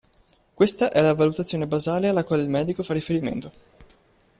Questa è la valutazione basale alla quale il medico fa riferimento.